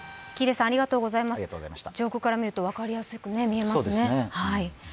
上空から見ると分かりやすく見えますね。